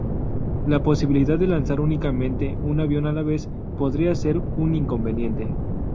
La posibilidad de lanzar únicamente un avión a la vez, podría ser un inconveniente.